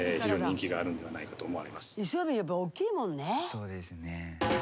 そうですね。